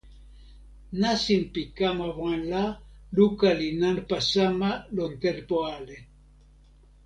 nasin pi kama wan la, luka li nanpa sama lon tenpo ale.